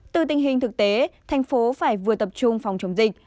từ tình hình thực tế thành phố phải vừa tập trung phòng chống dịch